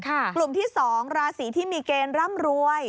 กลุ่มที่๒ราศีที่มีเกณฑ์ร่ำรวย